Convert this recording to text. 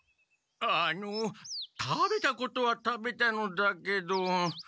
あの食べたことは食べたのだけど。